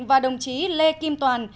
và đồng chí lê kim toàn